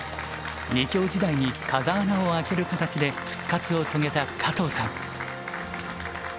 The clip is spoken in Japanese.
２強時代に風穴を開ける形で復活を遂げた加藤さん。